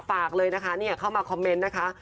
ฝากเลยนะคะเข้ามาคอมเมนต์นะคะ